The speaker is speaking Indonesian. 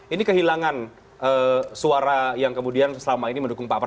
ini kehilangan suara yang kemudian selama ini mendukung pak prabowo